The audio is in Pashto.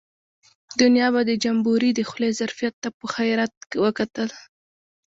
دنیا به د جمبوري د خولې ظرفیت ته په حیرت وکتل.